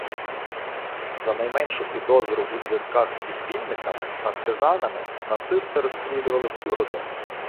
За найменшу підозру у зв'язках з підпільниками, партизанами, нацисти розстрілювали всю родину.